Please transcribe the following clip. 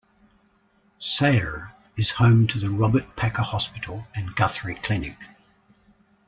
Sayre is home to the Robert Packer Hospital and Guthrie Clinic.